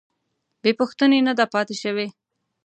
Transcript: بې پوښتنې نه ده پاتې شوې.